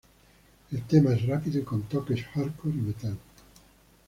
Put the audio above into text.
El tema es rápido y con toques hardcore y metal.